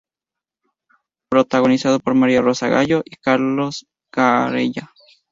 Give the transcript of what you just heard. Protagonizado por María Rosa Gallo y Carlos Carella.